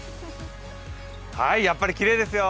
やっぱりきれいですよ。